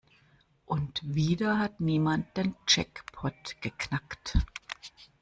Und wieder hat niemand den Jackpot geknackt.